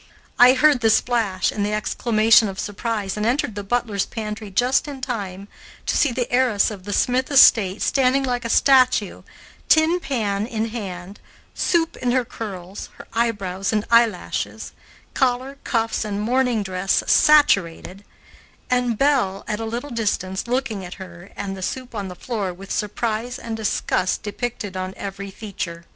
I heard the splash and the exclamation of surprise and entered the butler's pantry just in time to see the heiress of the Smith estate standing like a statue, tin pan in hand, soup in her curls, her eyebrows and eyelashes, collar, cuffs, and morning dress saturated, and Belle, at a little distance, looking at her and the soup on the floor with surprise and disgust depicted on every feature.